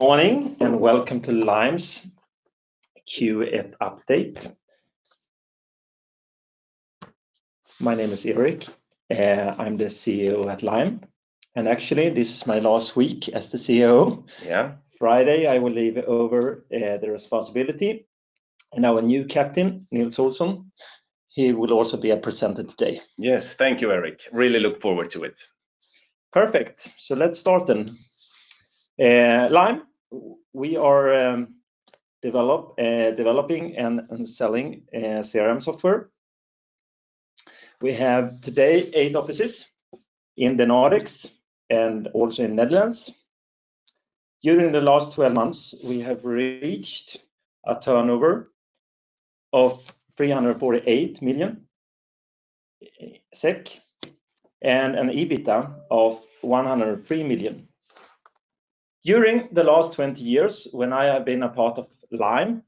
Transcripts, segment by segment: Morning, welcome to Lime's Q4 update. My name is Erik. I'm the CEO at Lime, and actually, this is my last week as the CEO. Yeah. Friday, I will leave over the responsibility and our new captain, Nils Olsson, he will also be a presenter today. Yes. Thank you, Erik. Really look forward to it. Perfect. Let's start then. Lime, we are developing and selling CRM software. We have today eight offices in the Nordics and also in Netherlands. During the last 12 months, we have reached a turnover of 348 million SEK and an EBITDA of 103 million. During the last 20 years, when I have been a part of Lime,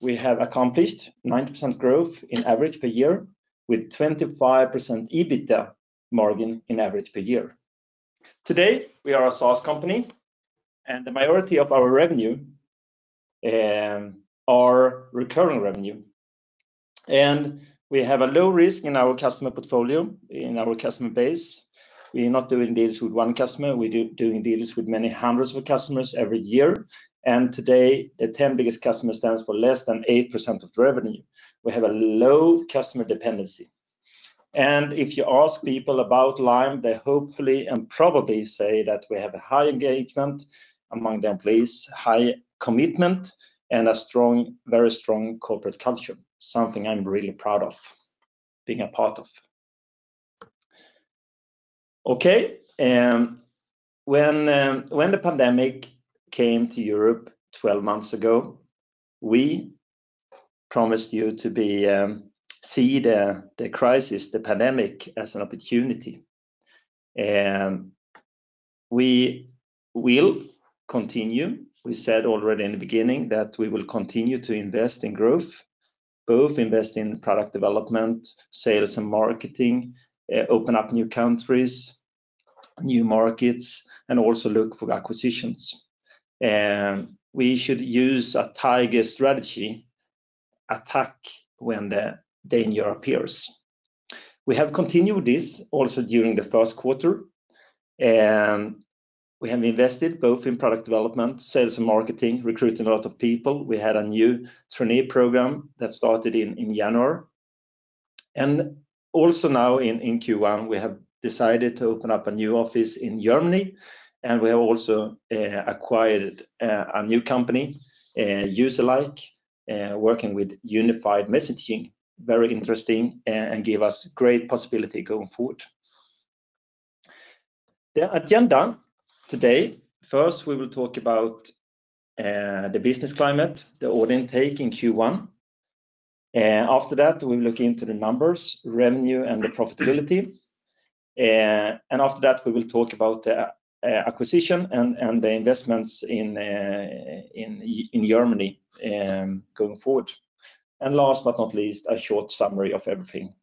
we have accomplished 19% growth in average per year with 25% EBITDA margin in average per year. Today, we are a SaaS company and the majority of our revenue are recurring revenue. We have a low risk in our customer portfolio, in our customer base. We are not doing deals with one customer. We're doing deals with many hundreds of customers every year. Today, the 10 biggest customers stands for less than 8% of the revenue. We have a low customer dependency. If you ask people about Lime, they hopefully and probably say that we have a high engagement among the employees, high commitment, and a very strong corporate culture, something I'm really proud of being a part of. Okay. When the pandemic came to Europe 12 months ago, we promised you to see the crisis, the pandemic, as an opportunity, and we will continue. We said already in the beginning that we will continue to invest in growth, both invest in product development, sales and marketing, open up new countries, new markets, and also look for acquisitions. We should use a tiger strategy, attack when the danger appears. We have continued this also during the Q1. We have invested both in product development, sales and marketing, recruiting a lot of people. We had a new trainee program that started in January. Also now in Q1, we have decided to open up a new office in Germany, and we have also acquired a new company, Userlike, working with unified messaging. Very interesting and gave us great possibility going forward. The agenda today, first, we will talk about the business climate, the order intake in Q1. After that, we'll look into the numbers, revenue, and the profitability. After that, we will talk about the acquisition and the investments in Germany going forward. Last but not least, a short summary of everything.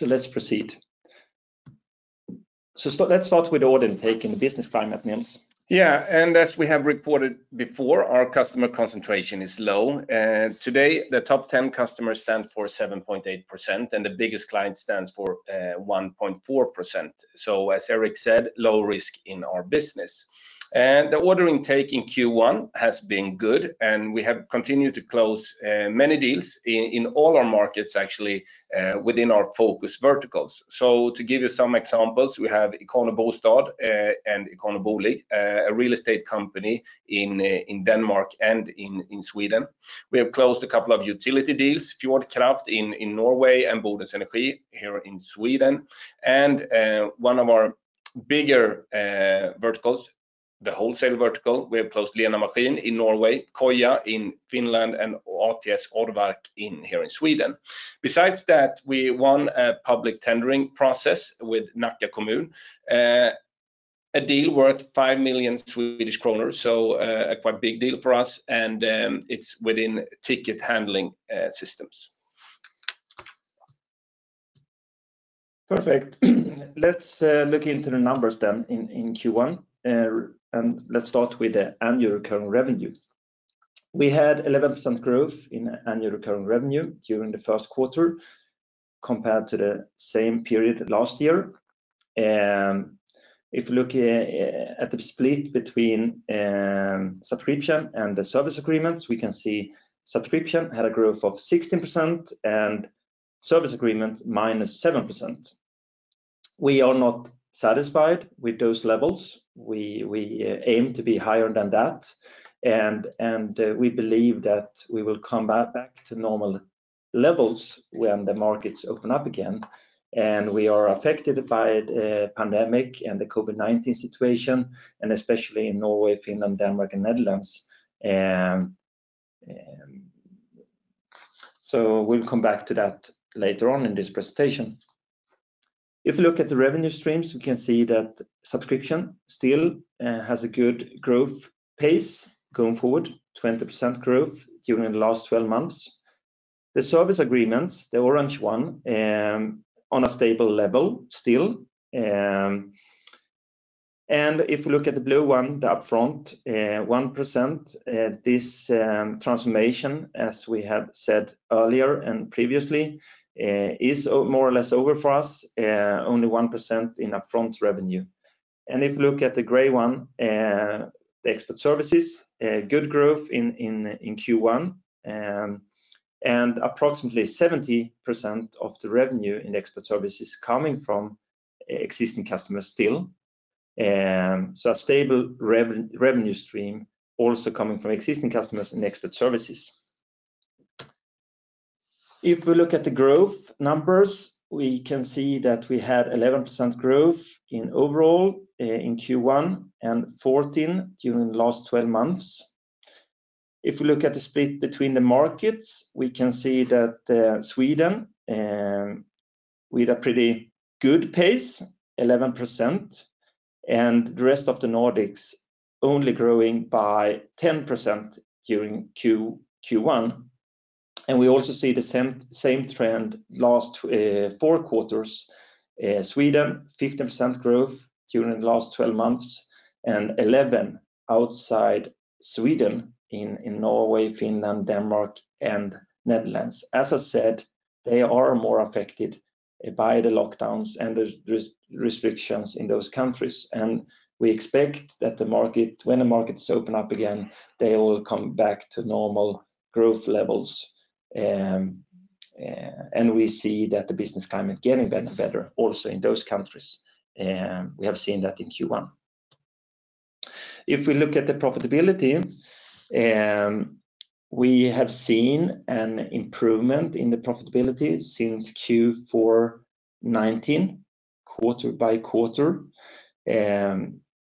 Let's proceed. Let's start with order intake and the business climate, Nils. Yeah. As we have reported before, our customer concentration is low. Today, the top 10 customers stand for 7.8%, and the biggest client stands for 1.4%. As Erik said, low risk in our business. The order intake in Q1 has been good, and we have continued to close many deals in all our markets, actually, within our focus verticals. To give you some examples, we have Ikano Bostad and Ikano Bolig, a real estate company in Denmark and in Sweden. We have closed a couple of utility deals, Fjordkraft in Norway and Bodens Energi here in Sweden. One of our bigger verticals, the wholesale vertical. We have closed Lena Maskin in Norway, Koja in Finland, and RTS Orvar here in Sweden. Besides that, we won a public tendering process with Nacka kommun, a deal worth 5 million Swedish kronor. A quite big deal for us, and it's within ticket handling systems. Perfect. Let's look into the numbers in Q1. Let's start with the annual recurring revenue. We had 11% growth in annual recurring revenue during the Q1 compared to the same period last year. If you look at the split between subscription and the service agreements, we can see subscription had a growth of 16% and service agreement, minus 7%. We are not satisfied with those levels. We aim to be higher than that, and we believe that we will come back to normal levels when the markets open up again. We are affected by the pandemic and the COVID-19 situation, especially in Norway, Finland, Denmark, and Netherlands. We'll come back to that later on in this presentation. If you look at the revenue streams, we can see that subscription still has a good growth pace going forward, 20% growth during the last 12 months. The service agreements, the orange one, on a stable level still. If you look at the blue one, the upfront 1%, this transformation, as we have said earlier and previously, is more or less over for us. Only 1% in upfront revenue. If you look at the gray one, the expert services, good growth in Q1. Approximately 70% of the revenue in expert services coming from existing customers still. A stable revenue stream also coming from existing customers and expert services. If we look at the growth numbers, we can see that we had 11% growth in overall in Q1 and 14% during the last 12 months. If we look at the split between the markets, we can see that Sweden, with a pretty good pace, 11%, and the rest of the Nordics only growing by 10% during Q1. We also see the same trend last four quarters. Sweden, 15% growth during the last 12 months, and 11 outside Sweden in Norway, Finland, Denmark, and Netherlands. As I said, they are more affected by the lockdowns and the restrictions in those countries. We expect that when the markets open up again, they will come back to normal growth levels. We see that the business climate getting better and better also in those countries. We have seen that in Q1. If we look at the profitability, we have seen an improvement in the profitability since Q4 2019, quarter by quarter.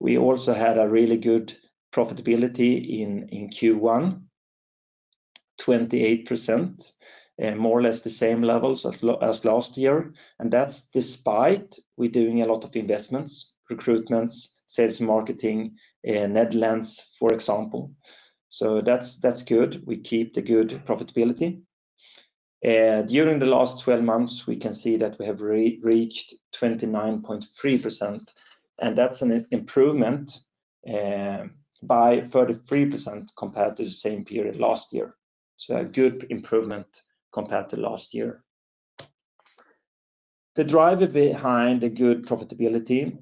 We also had a really good profitability in Q1, 28%, more or less the same levels as last year. That's despite we're doing a lot of investments, recruitments, sales, marketing, Netherlands, for example. That's good. We keep the good profitability. During the last 12 months, we can see that we have reached 29.3%, that's an improvement by 33% compared to the same period last year. A good improvement compared to last year. The driver behind the good profitability,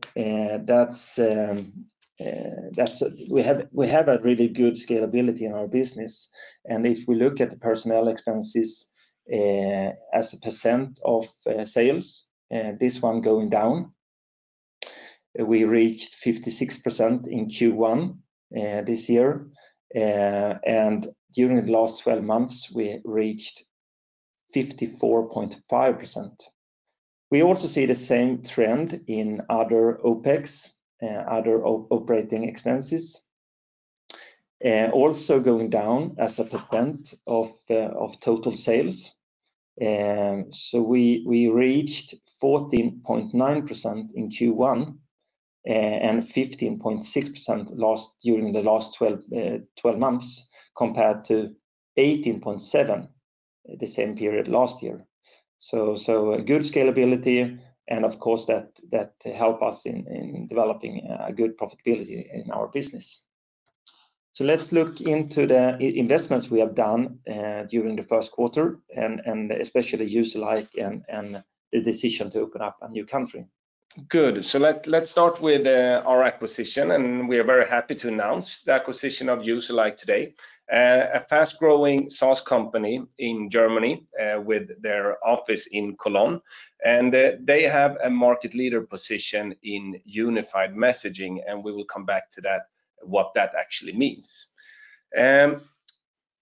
we have a really good scalability in our business. If we look at the personnel expenses as a percent of sales, this one going down. We reached 56% in Q1 this year. During the last 12 months, we reached 54.5%. We also see the same trend in other OPEX, other operating expenses, also going down as a percent of total sales. We reached 14.9% in Q1 and 15.6% during the last 12 months compared to 18.7% the same period last year. A good scalability and of course that help us in developing a good profitability in our business. Let's look into the investments we have done during the Q1 and especially Userlike and the decision to open up a new country. Good. Let's start with our acquisition, and we are very happy to announce the acquisition of Userlike today. A fast-growing SaaS company in Germany with their office in Cologne. They have a market leader position in unified messaging, and we will come back to what that actually means.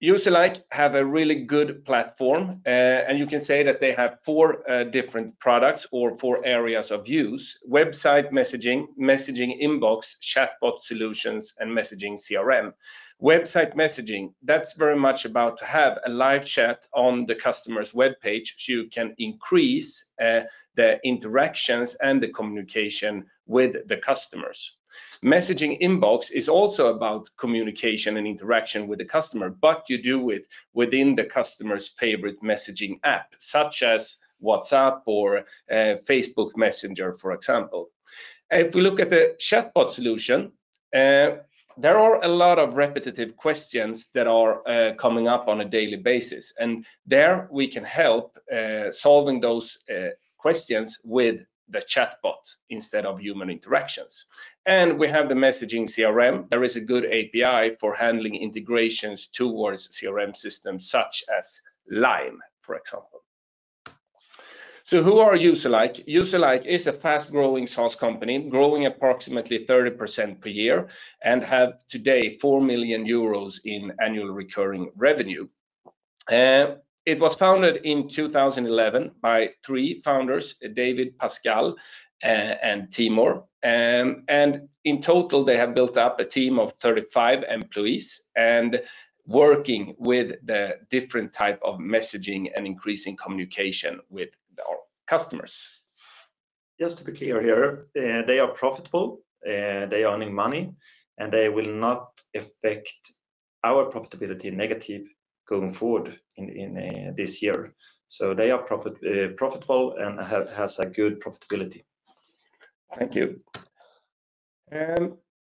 Userlike have a really good platform, and you can say that they have four different products or four areas of use. Website messaging, messaging inbox, chatbot solutions, and messaging CRM. Website messaging, that's very much about to have a live chat on the customer's webpage so you can increase the interactions and the communication with the customers. Messaging inbox is also about communication and interaction with the customer, but you do it within the customer's favorite messaging app, such as WhatsApp or Facebook Messenger, for example. If we look at the chatbot solution, there are a lot of repetitive questions that are coming up on a daily basis, there we can help solving those questions with the chatbot instead of human interactions. We have the messaging CRM. There is a good API for handling integrations towards CRM systems such as Lime, for example. Who are Userlike? Userlike is a fast-growing SaaS company, growing approximately 30% per year and have today 4 million euros in annual recurring revenue. It was founded in 2011 by three founders, David, Pascal, and Timoor. In total, they have built up a team of 35 employees and working with the different type of messaging and increasing communication with our customers. Just to be clear here, they are profitable. They are earning money, and they will not affect our profitability negative going forward in this year. They are profitable and have a good profitability. Thank you.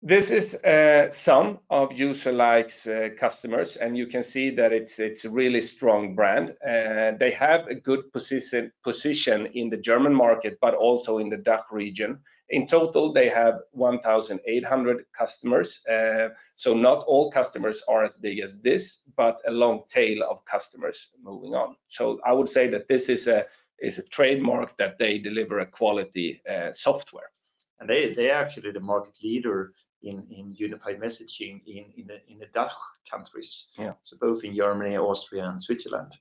This is some of Userlike's customers, you can see that it's a really strong brand. They have a good position in the German market, but also in the DACH region. In total, they have 1,800 customers. Not all customers are as big as this, but a long tail of customers moving on. I would say that this is a trademark that they deliver a quality software. They are actually the market leader in unified messaging in the DACH countries. Yeah. Both in Germany, Austria and Switzerland.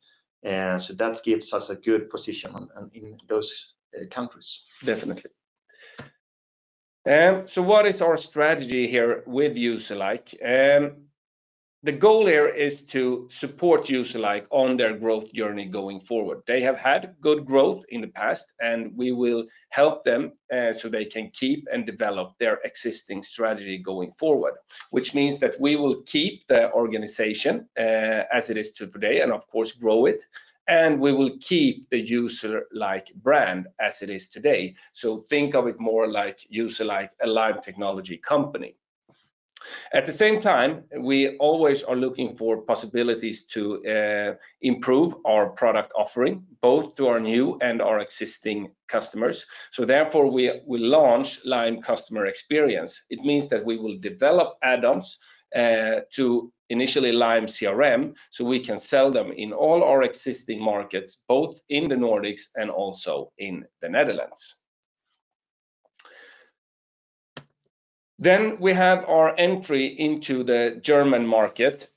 That gives us a good position in those countries. Definitely. What is our strategy here with Userlike? The goal here is to support Userlike on their growth journey going forward. They have had good growth in the past, and we will help them so they can keep and develop their existing strategy going forward. Which means that we will keep the organization as it is today and of course grow it. We will keep the Userlike brand as it is today. Think of it more like Userlike, a Lime Technologies company. At the same time, we always are looking for possibilities to improve our product offering, both to our new and our existing customers. Therefore we launch Lime Customer Experience. It means that we will develop add-ons to initially Lime CRM, so we can sell them in all our existing markets, both in the Nordics and also in the Netherlands. We have our entry into the German market.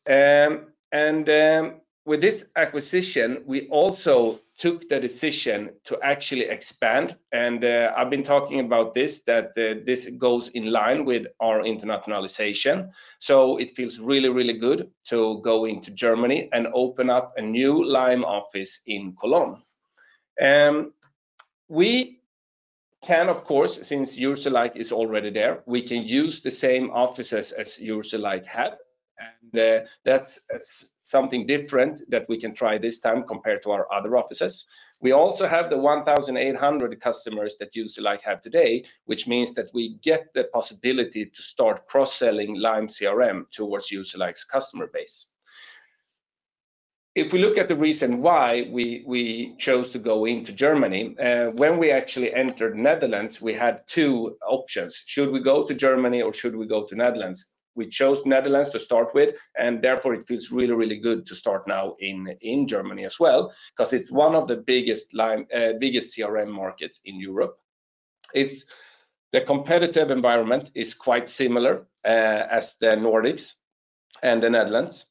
With this acquisition, we also took the decision to actually expand. I've been talking about this, that this goes in line with our internationalization. It feels really good to go into Germany and open up a new Lime office in Cologne. We can, of course, since Userlike is already there, we can use the same offices as Userlike had. That's something different that we can try this time compared to our other offices. We also have the 1,800 customers that Userlike have today, which means that we get the possibility to start cross-selling Lime CRM towards Userlike's customer base. If we look at the reason why we chose to go into Germany, when we actually entered Netherlands, we had two options. Should we go to Germany or should we go to Netherlands? We chose Netherlands to start with, and therefore it feels really good to start now in Germany as well, because it's one of the biggest CRM markets in Europe. The competitive environment is quite similar as the Nordics and the Netherlands.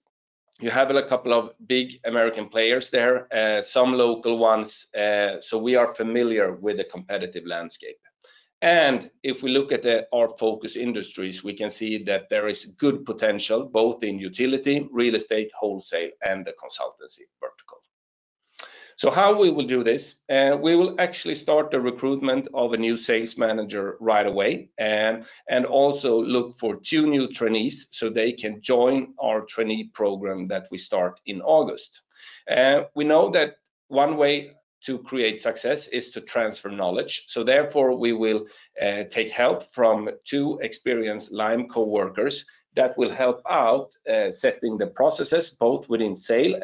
You have a couple of big American players there, some local ones, so we are familiar with the competitive landscape. If we look at our focus industries, we can see that there is good potential both in utility, real estate, wholesale, and the consultancy vertical. How we will do this? We will actually start the recruitment of a new sales manager right away and also look for two new trainees so they can join our trainee program that we start in August. We know that one way to create success is to transfer knowledge. Therefore, we will take help from two experienced Lime coworkers that will help out setting the processes both within sales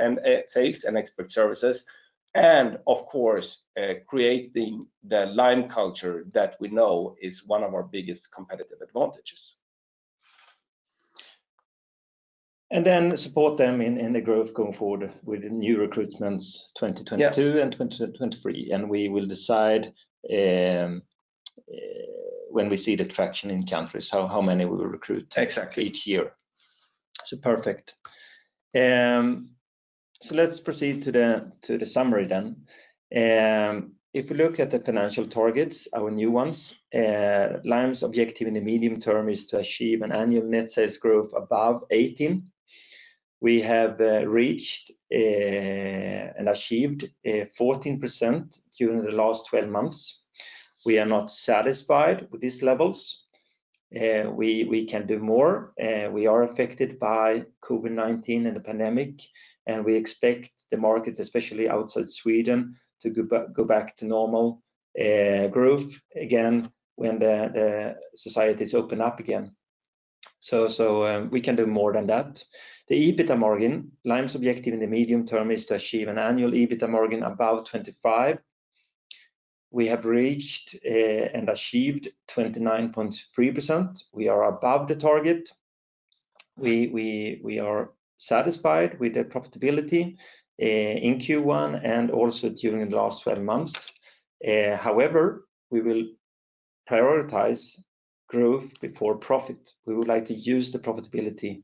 and expert services, and of course creating the Lime culture that we know is one of our biggest competitive advantages. Support them in the growth going forward with new recruitments 2022 and 2023. We will decide when we see the traction in countries, how many we will recruit each year. Exactly Perfect. Let's proceed to the summary. If we look at the financial targets, our new ones, Lime's objective in the medium term is to achieve an annual net sales growth above 18. We have reached and achieved 14% during the last 12 months. We are not satisfied with these levels. We can do more. We are affected by COVID-19 and the pandemic, and we expect the market, especially outside Sweden, to go back to normal growth again when the societies open up again. We can do more than that. The EBITDA margin. Lime's objective in the medium term is to achieve an annual EBITDA margin above 25. We have reached and achieved 29.3%. We are above the target. We are satisfied with the profitability in Q1 and also during the last 12 months. However, we will prioritize growth before profit. We would like to use the profitability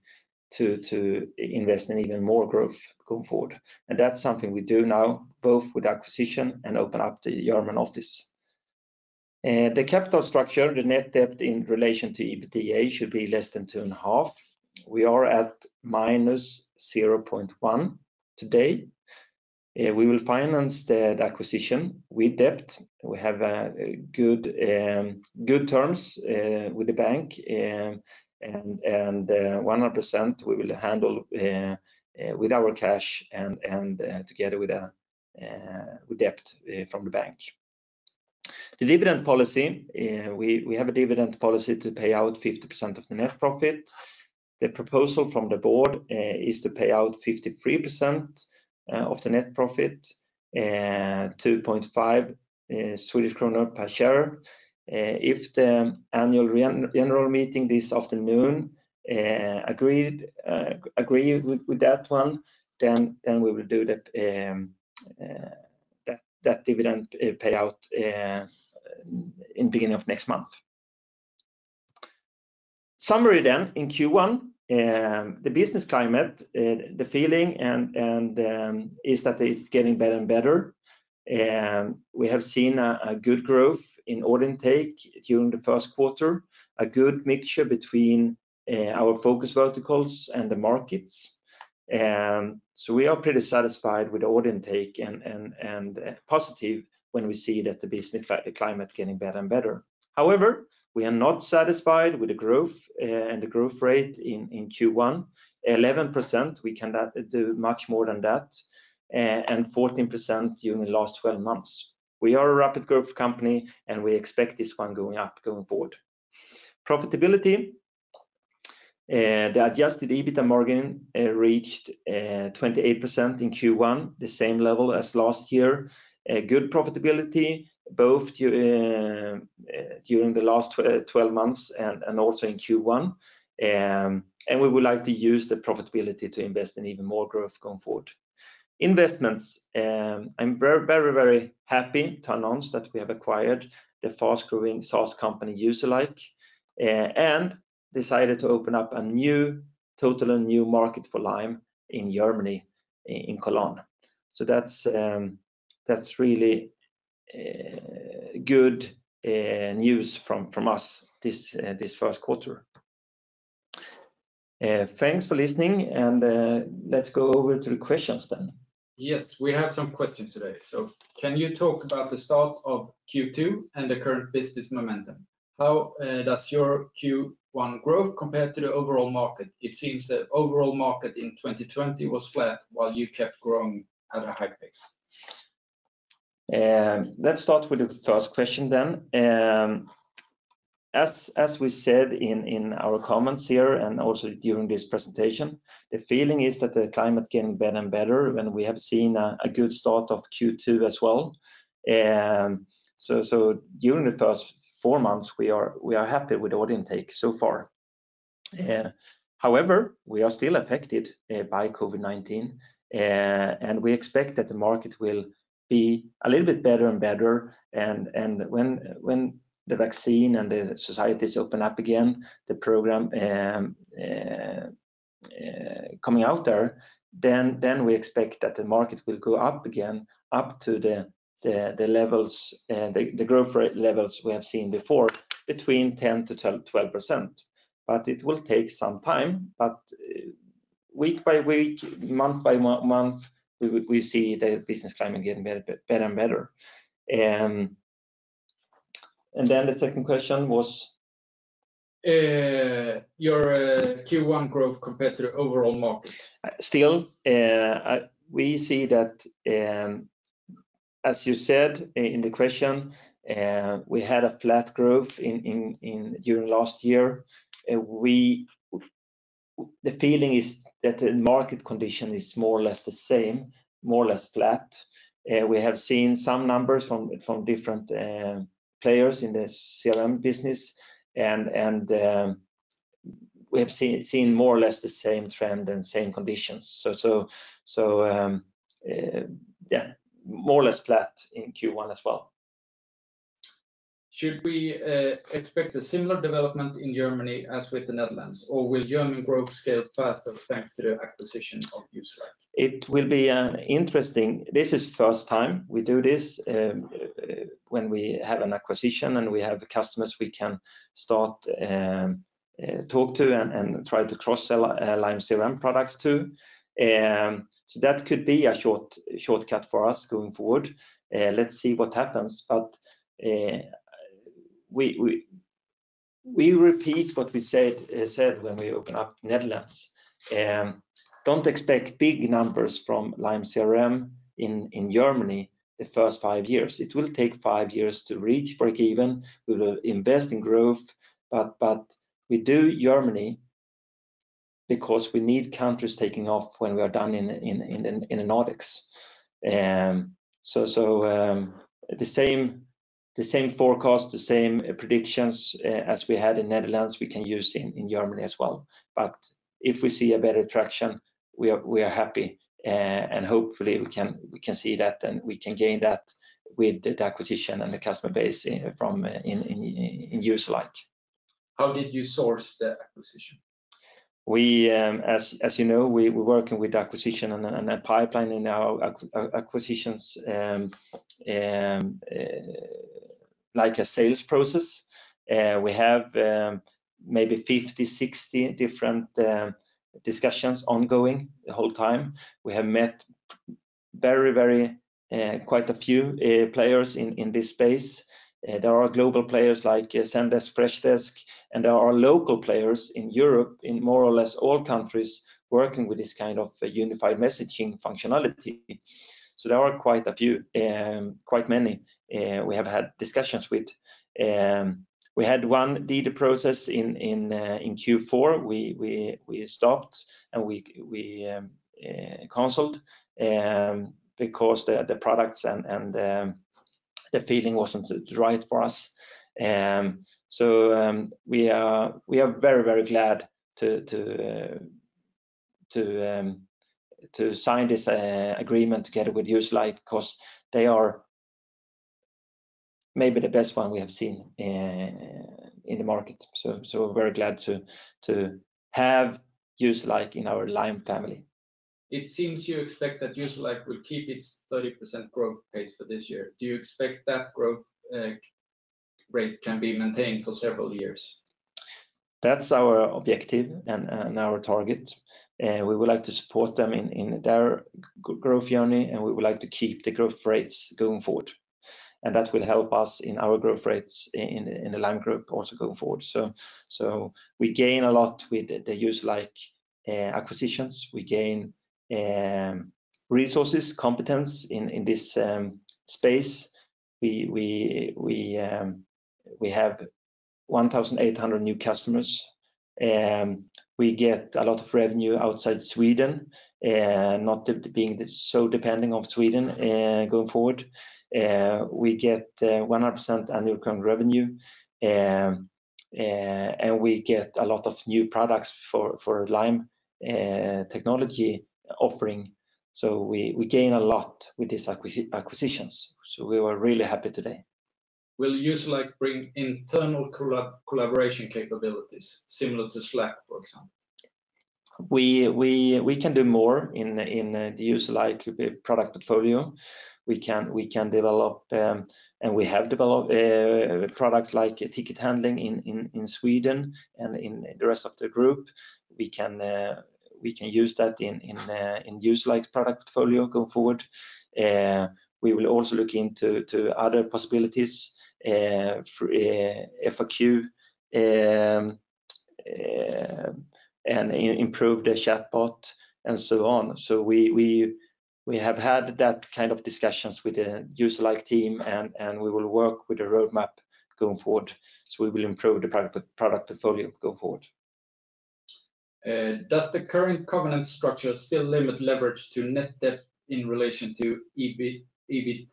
to invest in even more growth going forward. That's something we do now, both with acquisition and open up the German office. The capital structure, the net debt in relation to EBITDA should be less than 2.5. We are at -0.1 today. We will finance the acquisition with debt. We have good terms with the bank and 100% we will handle with our cash and together with debt from the bank. The dividend policy, we have a dividend policy to pay out 50% of the net profit. The proposal from the board is to pay out 53% of the net profit, 2.5 Swedish kronor per share. If the annual general meeting this afternoon agree with that one, then we will do that dividend payout in beginning of next month. Summary, in Q1, the business climate, the feeling and is that it's getting better and better. We have seen a good growth in order intake during the Q1, a good mixture between our focus verticals and the markets. We are pretty satisfied with the order intake and positive when we see that the business climate getting better and better. However, we are not satisfied with the growth and the growth rate in Q1, 11%, we can do much more than that. 14% during the last 12 months. We are a rapid growth company, we expect this one going up going forward. Profitability. The adjusted EBITDA margin reached 28% in Q1, the same level as last year. Good profitability both during the last 12 months and also in Q1. We would like to use the profitability to invest in even more growth going forward. Investments. I'm very happy to announce that we have acquired the fast-growing SaaS company Userlike and decided to open up a totally new market for Lime in Germany, in Cologne. That's really good news from us this Q1. Thanks for listening and let's go over to the questions then. Yes, we have some questions today. Can you talk about the start of Q2 and the current business momentum? How does your Q1 growth compare to the overall market? It seems the overall market in 2020 was flat while you kept growing at a high pace. Let's start with the first question. As we said in our comments here, also during this presentation, the feeling is that the climate getting better and better when we have seen a good start of Q2 as well. During the first four months, we are happy with the order intake so far. However, we are still affected by COVID-19, we expect that the market will be a little bit better and better and when the vaccine and the societies open up again, the program coming out there, we expect that the market will go up again, up to the growth rate levels we have seen before, between 10%-12%. It will take some time, but week by week, month by month, we see the business climate getting better and better. The second question was? Your Q1 growth compared to the overall market. Still, we see that, as you said in the question, we had a flat growth during last year. The feeling is that the market condition is more or less the same, more or less flat. We have seen some numbers from different players in the CRM business and we have seen more or less the same trend and same conditions. More or less flat in Q1 as well. Should we expect a similar development in Germany as with the Netherlands? Will German growth scale faster, thanks to the acquisition of Userlike? It will be interesting. This is first time we do this, when we have an acquisition and we have customers we can start talk to and try to cross-sell Lime CRM products to. That could be a shortcut for us going forward. Let's see what happens. We repeat what we said when we open up Netherlands. Don't expect big numbers from Lime CRM in Germany the first five years. It will take five years to reach break even. We will invest in growth. We do Germany because we need countries taking off when we are done in the Nordics. The same forecast, the same predictions as we had in Netherlands, we can use in Germany as well. If we see a better traction, we are happy. Hopefully we can see that and we can gain that with the acquisition and the customer base in Userlike. How did you source the acquisition? As you know, we're working with acquisition and pipelining our acquisitions like a sales process. We have maybe 50, 60 different discussions ongoing the whole time. We have met quite a few players in this space. There are global players like Zendesk, Freshdesk, and there are local players in Europe in more or less all countries working with this kind of unified messaging functionality. There are quite many we have had discussions with. We had one deal process in Q4. We stopped and we canceled because the products and the feeling wasn't right for us. We are very glad to sign this agreement together with Userlike because they are maybe the best one we have seen in the market. We're very glad to have Userlike in our Lime family. It seems you expect that Userlike will keep its 30% growth pace for this year. Do you expect that growth rate can be maintained for several years? That's our objective and our target. We would like to support them in their growth journey, we would like to keep the growth rates going forward. That will help us in our growth rates in the Lime Group also going forward. We gain a lot with the Userlike acquisitions. We gain resources, competence in this space. We have 1,800 new customers. We get a lot of revenue outside Sweden, not being so depending of Sweden going forward. We get 100% annual recurring revenue. We get a lot of new products for Lime Technologies offering. We gain a lot with these acquisitions. We are really happy today. Will Userlike bring internal collaboration capabilities similar to Slack, for example? We can do more in the Userlike product portfolio. We can develop, and we have developed a product like ticket handling in Sweden and in the rest of the group. We can use that in Userlike product portfolio going forward. We will also look into other possibilities, FAQ, and improve the chatbot and so on. We have had that kind of discussions with the Userlike team and we will work with the roadmap going forward. We will improve the product portfolio going forward. Does the current covenant structure still limit leverage to net debt in relation to EBITDA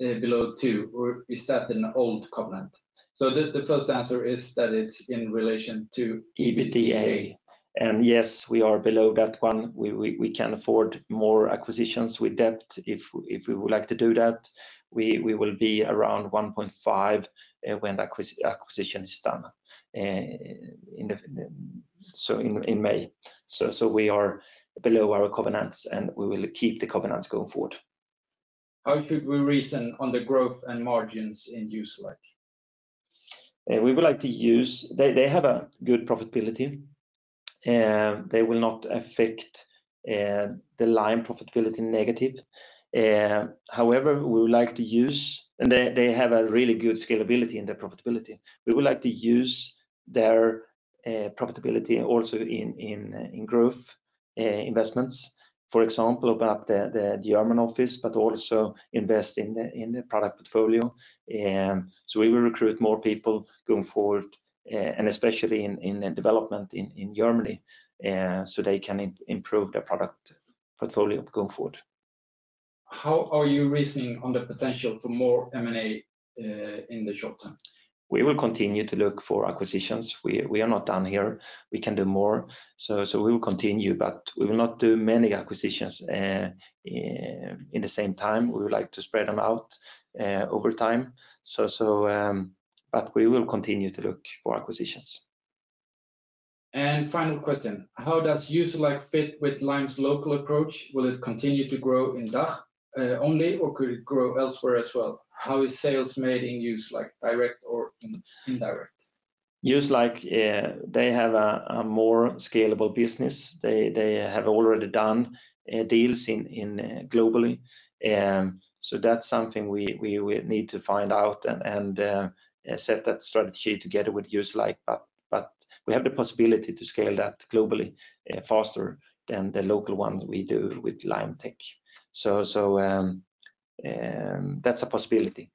below two, or is that an old covenant? The first answer is it is in relation to EBITDA. Yes, we are below that one. We can afford more acquisitions with debt if we would like to do that. We will be around 1.5 when the acquisition is done in May. We are below our covenants and we will keep the covenants going forward. How should we reason on the growth and margins in Userlike? They have a good profitability. They will not affect the Lime profitability negative. They have a really good scalability in their profitability. We would like to use their profitability also in growth investments. For example, open up the German office, but also invest in the product portfolio. We will recruit more people going forward, and especially in development in Germany, so they can improve their product portfolio going forward. How are you reasoning on the potential for more M&A in the short term? We will continue to look for acquisitions. We are not done here. We can do more. We will continue, but we will not do many acquisitions in the same time. We would like to spread them out over time. We will continue to look for acquisitions. Final question, how does Userlike fit with Lime's local approach? Will it continue to grow in DACH only, or could it grow elsewhere as well? How is sales made in Userlike, direct or indirect? Userlike, they have a more scalable business. They have already done deals globally. That's something we need to find out and set that strategy together with Userlike. We have the possibility to scale that globally faster than the local one we do with Lime Technologies. That's a possibility.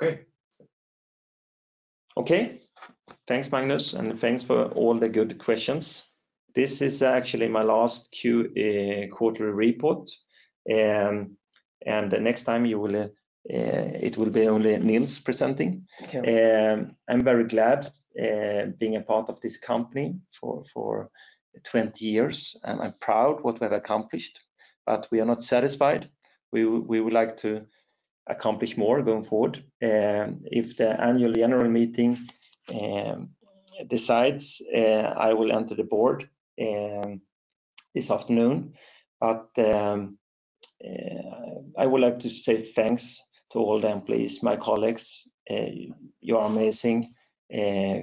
Okay. Okay. Thanks, Magnus. Thanks for all the good questions. This is actually my last quarterly report. Next time it will be only Nils presenting. Yeah. I'm very glad being a part of this company for 20 years. I'm proud what we have accomplished. We are not satisfied. We would like to accomplish more going forward. If the annual general meeting decides, I will enter the board this afternoon. I would like to say thanks to all the employees, my colleagues. You are amazing.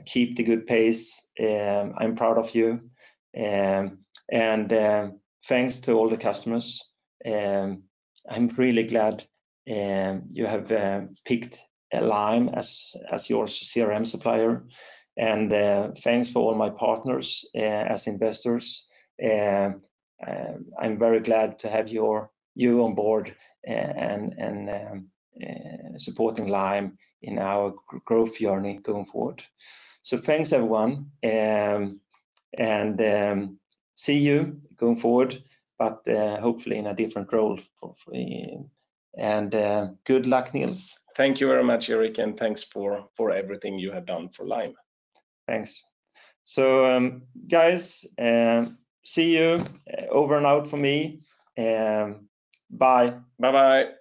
Keep the good pace. I'm proud of you. Thanks to all the customers. I'm really glad you have picked Lime as your CRM supplier. Thanks for all my partners as investors. I'm very glad to have you on board and supporting Lime in our growth journey going forward. Thanks, everyone, and see you going forward, but hopefully in a different role. Good luck, Nils. Thank you very much, Erik, and thanks for everything you have done for Lime. Thanks. Guys, see you. Over and out from me. Bye. Bye-bye.